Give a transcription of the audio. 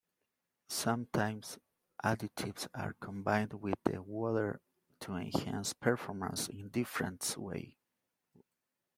Sometimes additives are combined with the water to enhance performance in different ways.